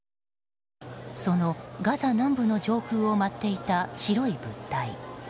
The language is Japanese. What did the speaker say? そのガザ南部の上空を舞っていた白い物体。